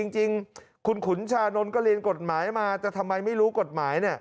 จริงคุณขุนชานนท์ก็เรียนกฎหมายมาแต่ทำไมไม่รู้กฎหมาย